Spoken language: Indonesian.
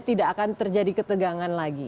tidak akan terjadi ketegangan lagi